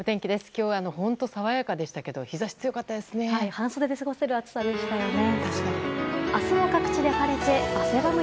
今日は本当に爽やかでしたけど日差し、強かったですね。